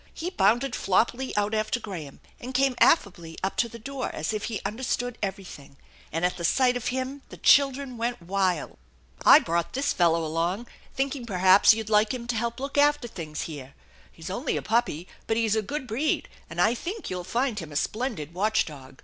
He bounded floppily out after Graham and came affably up to the door as if he understood everything ; and at sight of him the children went wild. " I brought this fellow along, thinking perhaps you'd like him to help look after things here. He's only a puppy, but 158 THE ENCHANTED BARN he's a good breed, and I think you'll find him a splendid watch dog.